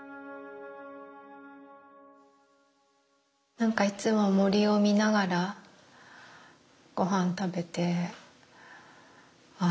なんかいつも森を見ながらごはん食べてああ